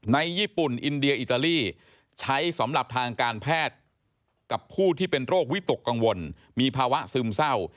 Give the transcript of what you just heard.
ในญี่ปุ่นอินเดียอิตาลีใช้สำหรับทางการแพทย์กับผู้ที่เป็นโรควิตกกังวลมีภาวะซึมเศร้า